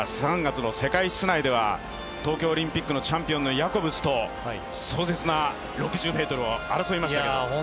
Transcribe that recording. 世界室内では東京オリンピックのチャンピオンのヤコブスと壮絶な６０ｍを争いましたけど。